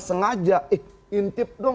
sengaja intip dong